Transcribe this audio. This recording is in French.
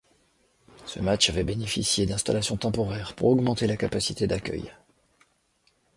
Ce match avait bénéficié d'installations temporaires pour augmenter la capacité d'accueil.